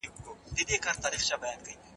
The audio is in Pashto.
چي علم او تحقیق ته یي مخه کړې ده، د همدغه